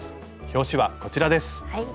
表紙はこちらです。